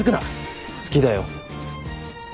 好きだよ。